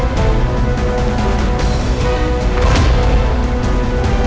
lo jangan salah paham dulu tadi